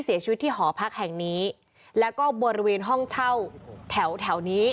เสียชีวิตที่หอพักแห่งนี้แล้วก็บริเวณห้องเช่าแถวแถวนี้